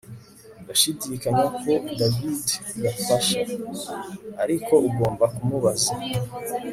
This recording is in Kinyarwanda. ndashidikanya ko davide yafasha, ariko ugomba kumubaza